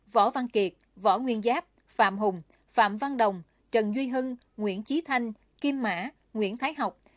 võ văn kiệt võ nguyên giáp phạm hùng phạm văn đồng trần duy hưng nguyễn trí thanh kim mã nguyễn thái học